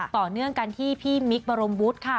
ต่อเนื่องกันที่พี่มิคบรมวุฒิค่ะ